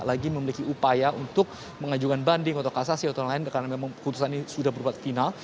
lagi memiliki upaya untuk mengajukan banding atau kasasi atau lain karena memang keputusan ini sudah berbuat final